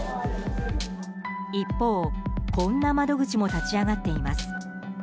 一方、こんな窓口も立ち上がっています。